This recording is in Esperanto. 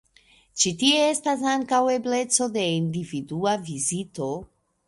Ĉi tie estas ankaŭ ebleco de individua vizito.